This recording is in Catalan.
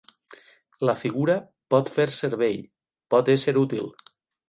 La figura pot fer servei, pot ésser útil